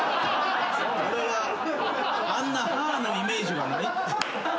「俺はあんな歯のイメージはない」